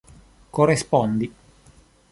korespondi